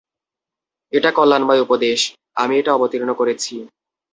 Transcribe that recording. এটা কল্যাণময় উপদেশ, আমি এটা অবতীর্ণ করেছি।